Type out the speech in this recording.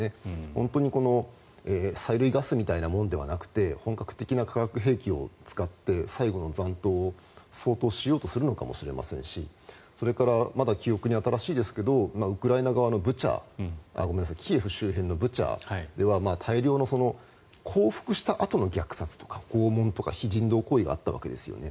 本当に催涙ガスみたいなものではなくて本格的な化学兵器を使って最後の残党を掃討しようとするのかもしれませんしそれからまだ記憶に新しいですがキーウ周辺のブチャでは大量の降伏したあとの虐殺とか拷問とか非人道行為があったわけですね。